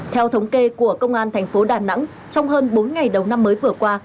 theo thống kê của công an thành phố đà nẵng trong hơn bốn ngày đầu năm mới vừa qua